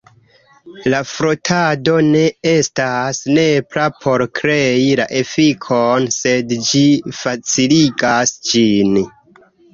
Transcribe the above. La frotado ne estas nepra por krei la efikon, sed ĝi faciligas ĝin.